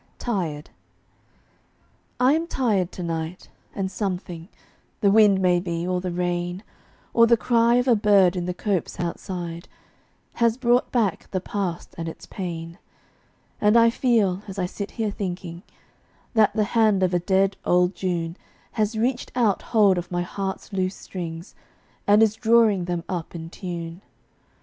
TIRED. I am tired to night, and something, The wind maybe, or the rain, Or the cry of a bird in the copse outside, Has brought back the past and its pain. And I feel, as I sit here thinking, That the hand of a dead old June Has reached out hold of my heart's loose strings, And is drawing them up in tune.